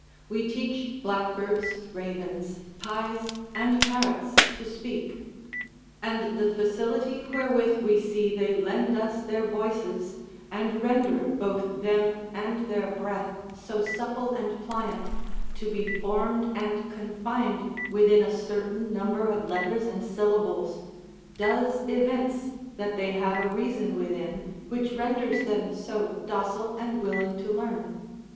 We teach blackbirds, ravens, pies, and parrots, to speak: and the facility wherewith we see they lend us their voices, and render both them and their breath so supple and pliant, to be formed and confined within a certain number of letters and syllables, does evince that they have a reason within, which renders them so docile and willing to learn.